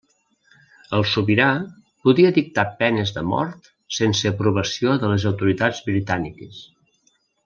El sobirà podia dictar penes de mort sense aprovació de les autoritats britàniques.